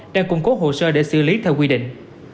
đang củng cố hồ sơ để xử lý theo quy định